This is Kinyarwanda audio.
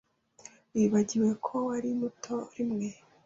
Wibagiwe ko wari muto rimwe?